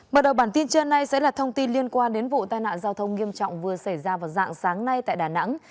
mở đầu bản tin trưa nay sẽ là thông tin liên quan đến vụ tai nạn giao thông nghiêm trọng vừa xảy ra vào dạng sáng nay tại đà nẵng